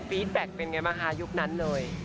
ีดแบ็คเป็นไงบ้างคะยุคนั้นเลย